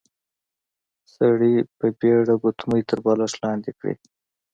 سړي په بيړه ګوتمۍ تر بالښت لاندې کړې.